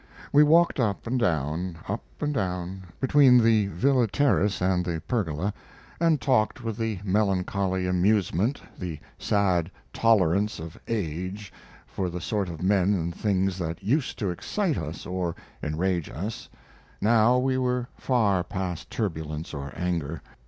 We walked up and down, up and down, between the villa terrace and the pergola, and talked with the melancholy amusement, the sad tolerance of age for the sort of men and things that used to excite us or enrage us; now we were far past turbulence or anger.